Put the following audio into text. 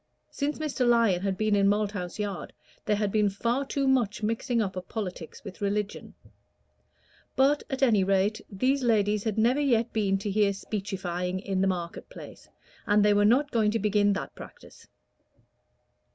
Since Mr. Lyon had been in Malthouse Yard there had been far too much mixing up of politics with religion; but, at any rate, these ladies had never yet been to hear speechifying in the market place, and they were not going to begin that practice.